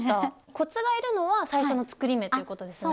コツがいるのは最初の作り目ということですね。